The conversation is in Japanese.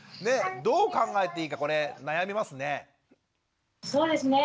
どう考えていいかこれ悩みますね。